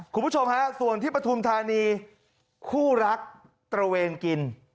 คุณผู้ชมฮะส่วนที่ปฐุมธานีคู่รักตระเวนกิน